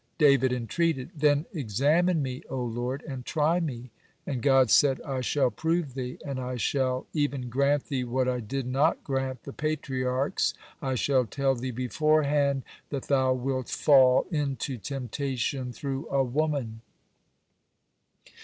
David entreated: "Then examine me, O Lord, and try me." And God said: "I shall prove thee, and I shall even grant thee what I did not grant the Patriarchs. I shall tell thee beforehand that thou wilt fall into temptation through a woman."